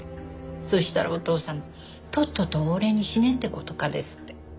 そしたらお父さん「とっとと俺に死ねって事か」ですって。